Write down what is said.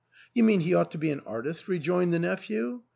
"You mean he ought to be an artist!" re joined the nephew.